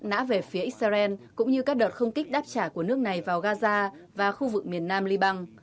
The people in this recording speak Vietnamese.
nã về phía israel cũng như các đợt không kích đáp trả của nước này vào gaza và khu vực miền nam liban